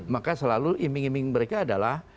maka selalu iming iming mereka adalah